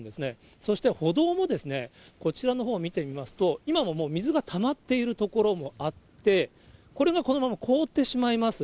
そして歩道も、こちらのほう見てみますと、今ももう水がたまっている所もあって、これがこのまま凍ってしまいます。